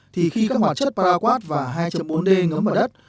thì khi các hoạt chất paraquat và hai bốn d ngấm vào đất